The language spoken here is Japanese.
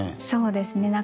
そうですね。